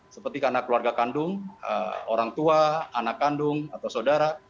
seperti karena keluarga kandung orang tua anak kandung atau saudara